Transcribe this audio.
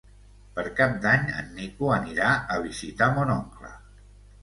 Per Cap d'Any en Nico anirà a visitar mon oncle.